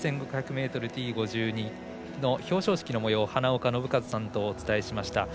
ｍＴ５２の表彰式のもようを花岡伸和さんとお伝えしました。